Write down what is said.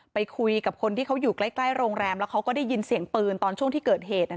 ไปคุยกับคนที่เขาอยู่ใกล้โรงแรมแล้วเขาก็ได้ยินเสียงปืนตอนช่วงที่เกิดเหตุ